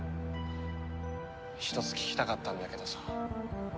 一つ聞きたかったんだけどさ。